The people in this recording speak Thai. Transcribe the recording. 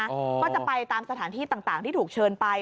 ก็จะไปตามสถานที่ต่างที่ถูกเชิญไป